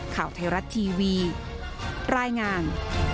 ข่าวไทยรัฐทีวีรายงาน